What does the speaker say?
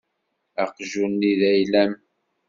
Aqjun-nni d ayla-m.